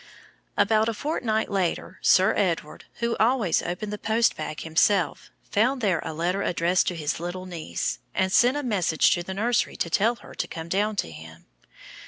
About a fortnight later Sir Edward, who always opened the post bag himself, found there a letter addressed to his little niece, and sent a message to the nursery to tell her to come down to him.